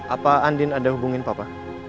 apa andin ada hubungin papa